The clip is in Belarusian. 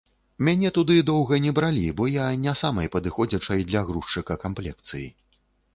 Мяне туды доўга не бралі, бо я не самай падыходзячай для грузчыка камплекцыі.